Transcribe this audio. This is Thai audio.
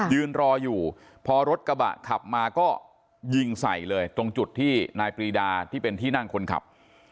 ยืนรออยู่พอรถกระบะขับมาก็ยิงใส่เลยตรงจุดที่นายปรีดาที่เป็นที่นั่งคนขับ